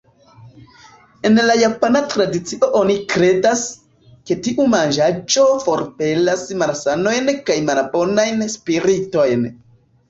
En la japana tradicio oni kredas, ke tiu manĝaĵo forpelas malsanojn kaj malbonajn spiritojn.